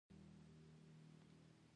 څو حسابونه لرئ؟ دوه، یو د سپما، یو د معاش